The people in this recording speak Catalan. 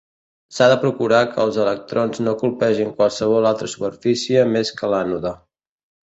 S'ha de procurar que els electrons no colpegin qualsevol altra superfície més que l'ànode.